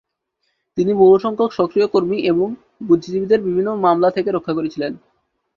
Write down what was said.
তিনি বহু সংখ্যক সক্রিয় কর্মী এবং বুদ্ধিজীবীদের বিভিন্ন মামলা থেকে রক্ষা করেছিলেন।